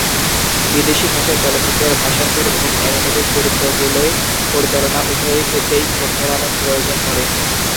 বিদেশী ভাষার চলচ্চিত্রের ভাষান্তর এবং অ্যানিমেটেড চরিত্রগুলি পরিচালনা, উভয়ই ক্ষেত্রেই ঠোঁট-মেলানোর প্রয়োজন পড়ে।